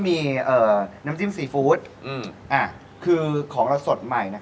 มึงอะอย่างพูดไปเหล่าคือยังพูดไปเลย